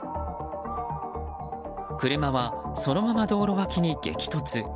車はそのまま道路脇に激突。